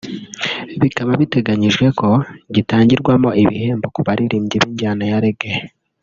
bikaba biteganyijwe ko gitangirwamo ibihembo ku baririmbyi b’injyana ya Reggae